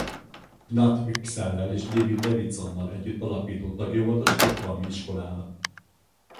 Knut Wicksell-lel és David Davidsonnal együtt alapító tagja volt a Stockholmi Iskolának.